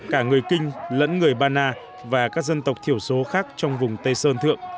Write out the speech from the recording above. cả người kinh lẫn người ba na và các dân tộc thiểu số khác trong vùng tây sơn thượng